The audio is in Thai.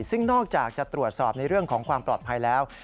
ซึ่งนอกจากจะตรวจสอบในเรื่องของความปลอดภัยแล้ว